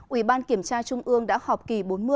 ủy ban kiểm tra trung ương đã họp kỳ bốn mươi